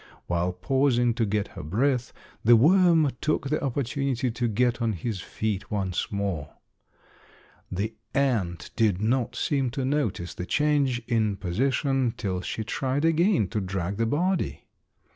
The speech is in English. While pausing to get her breath, the worm took the opportunity to get on his feet once more. The ant did not seem to notice the change in position till she tried again to drag the body.